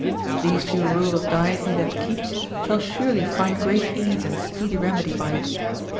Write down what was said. These few rules of diet he that keeps, shall surely find great ease and speedy remedy by it.